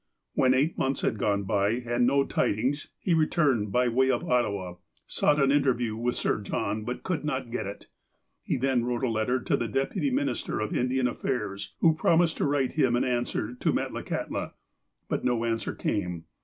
When eight months had gone by, and no tidings, he returned by way of Ottawa, sought an in terview with Sir John, but could not get it. He then wrote a letter to the Dex)uty Minister of Indian Affairs, who promised to write him an answer to Metlakahtla. But no answer came.